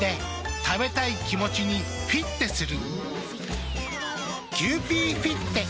食べたい気持ちにフィッテする。